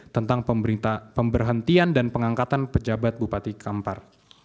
tentang pemberhentian dan pengangkatan pejabat bupati kampar